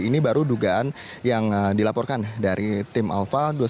ini baru dugaan yang dilaporkan dari tim alpha dua puluh sembilan